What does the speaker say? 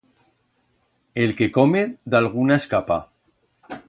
El que come d'alguna escapa.